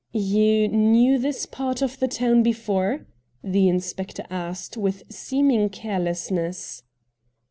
' You knew this part of the town before ?' the inspector asked with seeming careless ness.